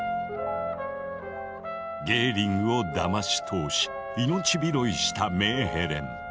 ゲーリングをだまし通し命拾いしたメーヘレン。